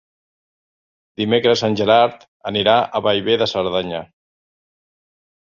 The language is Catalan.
Dimecres en Gerard anirà a Bellver de Cerdanya.